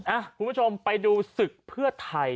คุณผู้ชมไปดูศึกเพื่อไทย